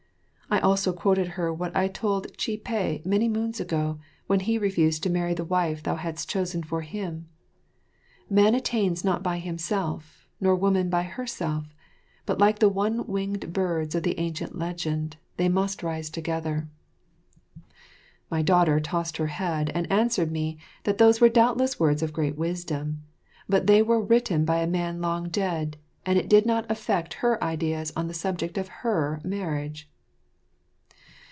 I also quoted her what I told Chih peh many moons ago, when he refused to marry the wife thou hadst chosen for him: "Man attains not by himself, nor woman by herself, but like the one winged birds of the ancient legend, they must rise together." My daughter tossed her head and answered me that those were doubtless words of great wisdom, but they were written by a man long dead, and it did not affect her ideas upon the subject of her marriage.